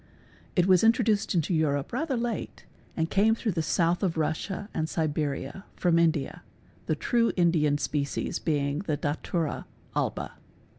It was introduced into Europe rather late and cam DATURA 385 _ through the south of Russia and Siberia, from India "®, the true Indian species being the datura alba.